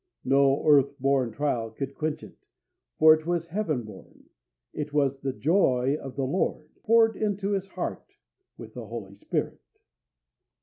No earth born trial could quench it, for it was Heaven born; it was "the joy of the Lord" poured into his heart with the Holy Spirit.